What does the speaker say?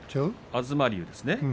東龍ですね。